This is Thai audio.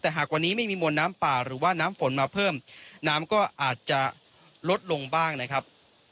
แต่หากวันนี้ไม่มีมวลน้ำป่าหรือว่าน้ำฝนมาเพิ่มน้ำก็อาจจะลดลงบ้างนะครับ